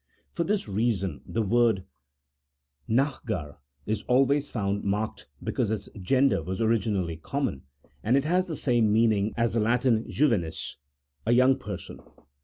For this reason the word nahgar is always found marked because its gender was originally common, and it had the same mean ing as the Latin juvenis (a young person).